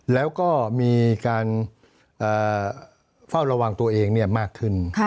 แล้วก็มีการเฝ้าระวังตัวเองมากขึ้น